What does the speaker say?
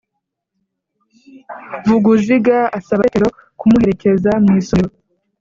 Vuguziga asaba Tetero kumuherekeza mu isomero.